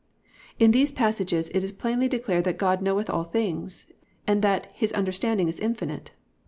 In these passages it is plainly declared that "God knoweth all things" and that "His understanding is infinite."